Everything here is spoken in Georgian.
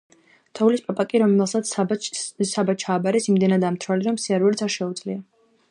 თოვლის პაპა კი, რომელსაც საბა ჩააბარეს, იმდენადაა მთვრალი, რომ სიარულიც არ შეუძლია.